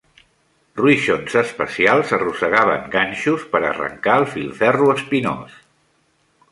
"Ruixons" especials arrossegaven ganxos per a arrancar el filferro espinós.